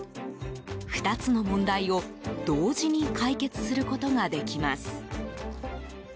２つの問題を同時に解決することができます。